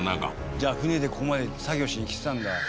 じゃあ船でここまで作業しに来てたんだ。